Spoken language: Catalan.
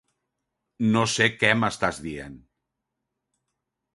No sé què m'estàs dient.